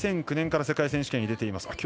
２００９年から世界選手権に出ています。